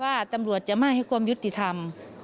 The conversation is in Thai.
ว่าตำรวจจะไม่ให้ความยุติธรรม